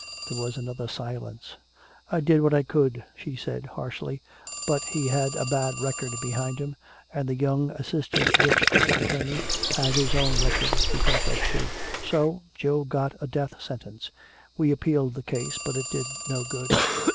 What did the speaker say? There was another silence. "I did what I could," she said harshly, "but he had a bad record behind him, and the young assistant district attorney had his own record to think of, too. So Joe got a death sentence. We appealed the case but it did no good.